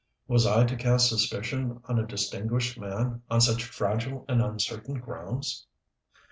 Was I to cast suspicion on a distinguished man on such fragile and uncertain grounds?